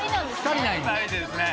２人ですね。